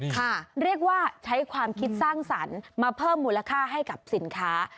เรียกว่าใช้ความคิดสร้างสรรค์มาเพิ่มมูลค่าให้กับสินค้า